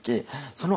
その